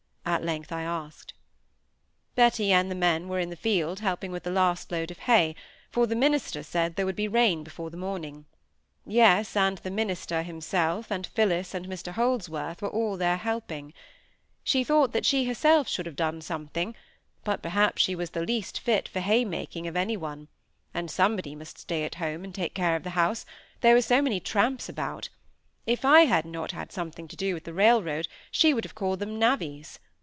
at length I asked. Betty and the men were in the field helping with the last load of hay, for the minister said there would be rain before the morning. Yes, and the minister himself, and Phillis, and Mr Holdsworth, were all there helping. She thought that she herself could have done something; but perhaps she was the least fit for hay making of any one; and somebody must stay at home and take care of the house, there were so many tramps about; if I had not had something to do with the railroad she would have called them navvies.